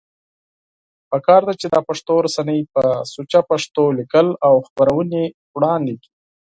پکار ده چې دا پښتو رسنۍ په سوچه پښتو ليکل او خپرونې وړاندی کړي